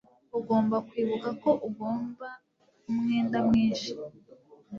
Ugomba kwibuka ko ugomba umwenda mwinshi